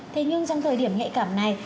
thế nhưng trong thời điểm nhạy cảm này